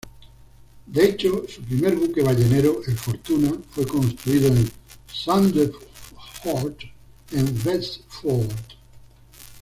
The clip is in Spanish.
De hecho su primer buque ballenero, el "Fortuna", fue construido en Sandefjord, en Vestfold.